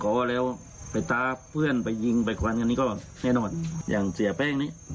พอแล้วไปท้าเพื่อนไปยิงไปควันอันนี้ก็แน่นอนอย่างเสียแป้งนี้